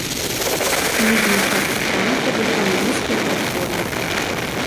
У ніжняй частцы храма пабудаваны нізкія прытворы.